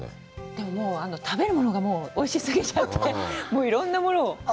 でも、もう食べるものがおいしすぎちゃって、いろんなものを。